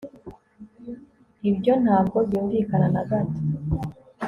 ibyo ntabwo byumvikana na gato